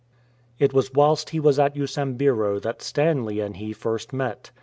It was whilst he was at Usambiro that Stanley and he first met.